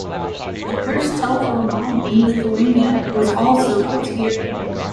The first telephone line in Lithuania was also built here.